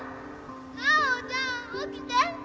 尚ちゃん起きて